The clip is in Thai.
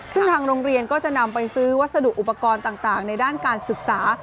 ซึ่งทางโรงเรียนก็จะนำไปซื้อวัสดุอุปกรณ์ต่างในด้านการศึกษา